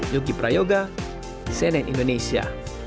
yogi prayoga senen indonesia